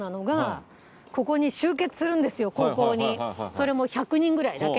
それも１００人ぐらいだけ。